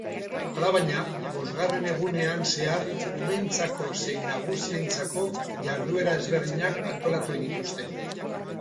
Alabaina, bosgarren egunean zehar umeentzako zein nagusientzako jarduera ezberdinak antolatu dituzte.